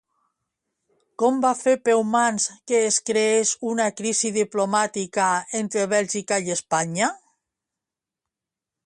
Com va fer Peumans que es creés una crisi diplomàtica entre Bèlgica i Espanya?